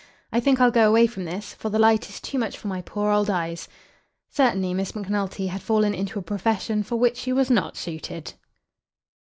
I think I'll go away from this, for the light is too much for my poor old eyes." Certainly Miss Macnulty had fallen into a profession for which she was not suited.